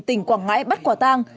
tỉnh quảng ngãi bắt quả tang